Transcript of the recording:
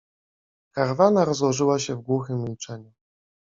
Karawana rozłożyła się w głuchym milczeniu.